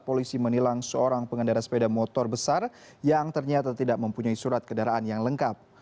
polisi menilang seorang pengendara sepeda motor besar yang ternyata tidak mempunyai surat kendaraan yang lengkap